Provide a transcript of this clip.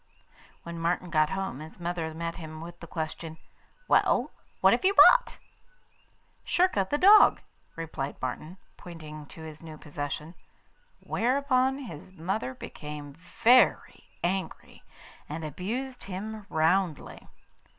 When Martin got home, his mother met him with the question: 'Well, what have you bought?' 'Schurka, the dog,' replied Martin, pointing to his new possession. Whereupon his mother became very angry, and abused him roundly.